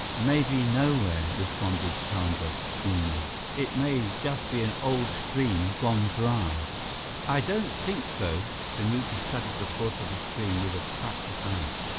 "Maybe nowhere," responded Chandra glumly. "It may just be an old stream gone dry." "I don't think so." Kamuka studied the course of the stream with a practiced eye.